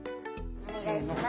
お願いします。